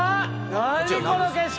何この景色！